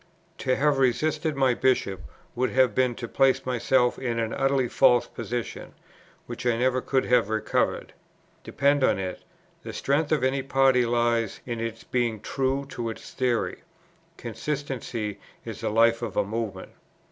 To have resisted my Bishop, would have been to place myself in an utterly false position, which I never could have recovered. Depend upon it, the strength of any party lies in its being true to its theory. Consistency is the life of a movement.